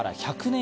１００年